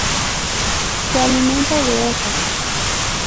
Se alimenta de hojas.